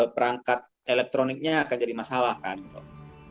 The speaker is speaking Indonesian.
perangkat elektroniknya akan jadi masalah kan gitu